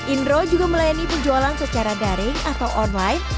indro juga melayani penjualan secara daring atau online